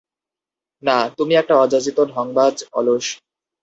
না, তুমি একটা অযাচিত, ঢংবাজ, অলস।